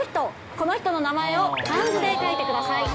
この人の名前を漢字で書いてください。